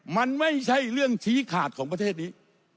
มันไม่ใช่เรื่องชี้ขาดของประเทศนี้